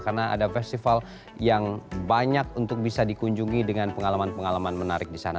karena ada festival yang banyak untuk bisa dikunjungi dengan pengalaman pengalaman menarik di sana